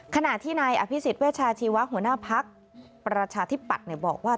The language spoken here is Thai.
ขณะที่นายอภิษฎเวชาชีวะหัวหน้าพักประชาธิปัตย์บอกว่า